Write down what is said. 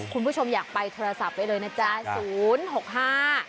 คุณผู้ชมอยากไปโทรศัพท์ไว้เลยนะจ๊ะ